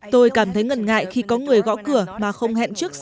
tôi cảm thấy ngần ngại khi có người gõ cửa mà không hẹn trước